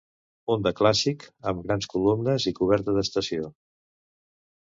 Un de clàssic, am grans columnes i coberta d'estació